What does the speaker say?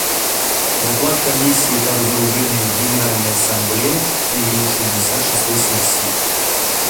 Доклад Комиссии по разоружению Генеральной Ассамблее на ее шестьдесят шестой сессии.